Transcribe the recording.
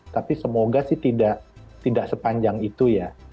tapi semoga sih tidak sepanjang itu ya